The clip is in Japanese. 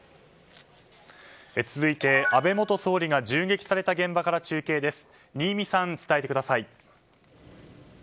続いて、安倍元総理が銃撃された現場から中継です。